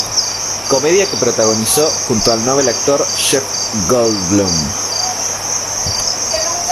Comedia que protagonizó junto al novel actor Jeff Goldblum.